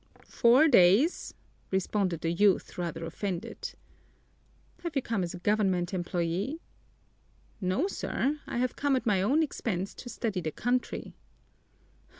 "Four days," responded the youth, rather offended. "Have you come as a government employee?" "No, sir, I've come at my own expense to study the country."